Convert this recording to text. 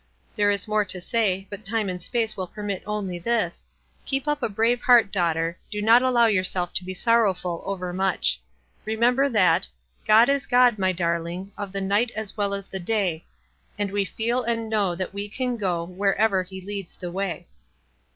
There is more to say, but time and sp:ice will permit only this — keep up a brave heart, daughter ; do not allow yourself to be sorrowful over much. Remember, that "• God is God my darling, Of the night as well as the day, And we feel and know that we can go Wherever he leads the way.'